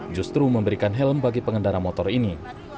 justru memberikan helm bagi pengendara motor ini